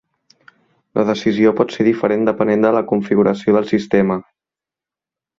La decisió pot ser diferent depenent de la configuració del sistema.